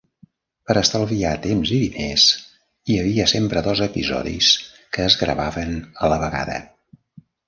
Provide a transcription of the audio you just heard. Per estalviar temps i diners, hi havia sempre dos episodis que es gravaven a la vegada.